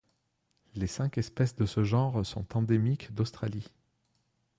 Les cinq espèces de ce genre sont endémiques d'Australie.